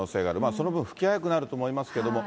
その分、復帰は早くなると思いますけれども。